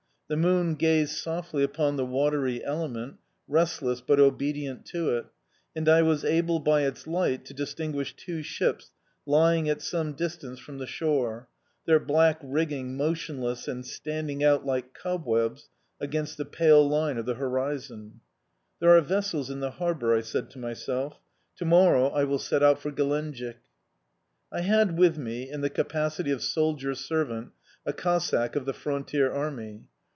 The moon gazed softly upon the watery element, restless but obedient to it, and I was able by its light to distinguish two ships lying at some distance from the shore, their black rigging motionless and standing out, like cobwebs, against the pale line of the horizon. "There are vessels in the harbour," I said to myself. "To morrow I will set out for Gelenjik." I had with me, in the capacity of soldier servant, a Cossack of the frontier army.